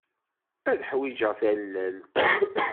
Ad ḥwijeɣ tallalt.